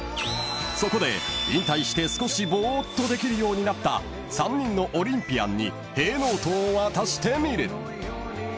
［そこで引退して少しボーっとできるようになった３人のオリンピアンにへぇーノートを渡してみる］